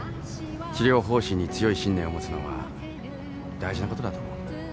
治療方針に強い信念を持つのは大事なことだと思う。